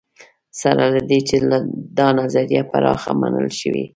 سره له دې چې دا نظریه پراخه منل شوې.